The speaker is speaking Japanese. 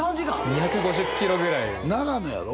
２５０キロぐらいを長野やろ？